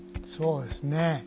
そうですね